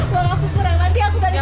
wah aku kurang nanti aku ganti lagi ya